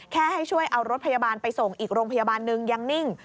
ให้ช่วยเอารถพยาบาลไปส่งอีกโรงพยาบาลนึงยังนิ่ง